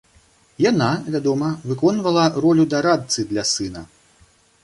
Яна, вядома, выконвала ролю дарадцы для сына.